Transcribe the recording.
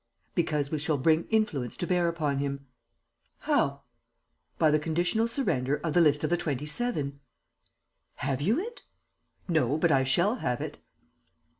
"Because we shall bring influence to bear upon him." "How?" "By the conditional surrender of the list of the Twenty seven!" "Have you it?" "No, but I shall have it."